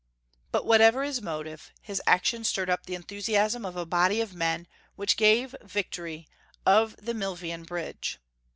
But, whatever his motive, his action stirred up the enthusiasm of a body of men which gave the victory of the Milvian Bridge.